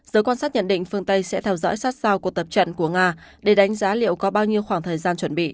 giới quan sát nhận định phương tây sẽ theo dõi sát sao cuộc tập trận của nga để đánh giá liệu có bao nhiêu khoảng thời gian chuẩn bị